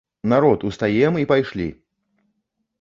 Народ, устаем і пайшлі!